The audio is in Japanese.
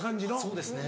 そうですね。